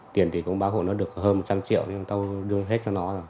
tiền thì cũng bán hổ nó được hơn một trăm linh triệu nhưng tôi đưa hết cho nó rồi